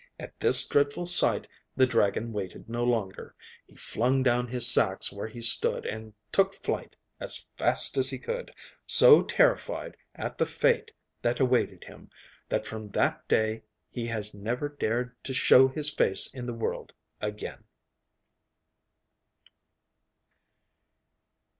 At this dreadful sight the dragon waited no longer: he flung down his sacks where he stood and took flight as fast as he could, so terrified at the fate that awaited him that from that day he has never dared to show his face in the world again.